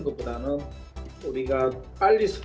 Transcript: dan menangkan pertandingan